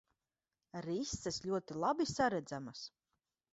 Rises ļoti labi saredzamas.